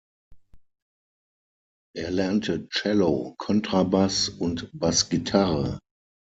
Er lernte Cello, Kontrabass und Bassgitarre.